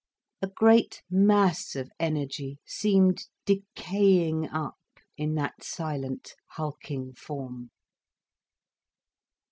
A great mass of energy seemed decaying up in that silent, hulking form.